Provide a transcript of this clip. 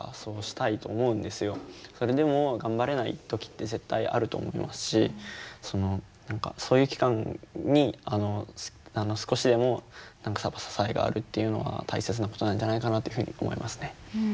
それでも頑張れない時って絶対あると思いますし何かそういう期間に少しでも何か支えがあるっていうのは大切なことなんじゃないかなっていうふうに思いますね。